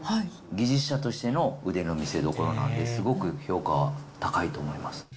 技術者としての腕の見せ所なんで、すごく評価は高いと思います。